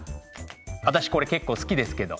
私これ結構好きですけど。